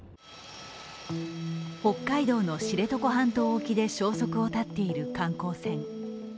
北海道の知床半島沖で消息を絶っている観光船。